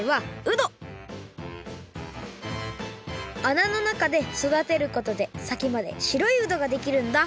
あなの中でそだてることで先までしろいうどができるんだ。